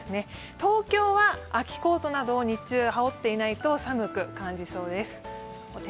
東京は秋コートなどを日中羽織っていないと寒そうです。